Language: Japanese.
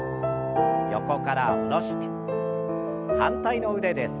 横から下ろして反対の腕です。